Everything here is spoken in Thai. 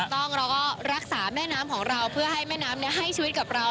ต้องเราก็รักษาแม่น้ำของเราเพื่อให้แม่น้ำให้ชีวิตกับเรา